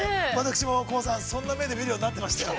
私もコバさん、そんな目で見るようになってましたよ。